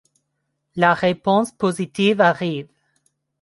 La réponse positive arrive.